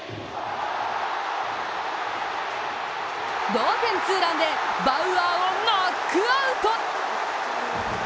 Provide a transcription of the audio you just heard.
同点ツーランでバウアーをノックアウト。